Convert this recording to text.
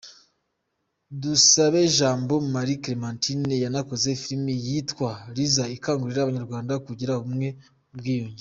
Dusabejambo Marie Clémentine yanakoze filime yitwa ‘Lyiza’ ikangurira Abanyarwanda kugira ubumwe ubwiyunge.